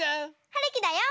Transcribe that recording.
はるきだよ。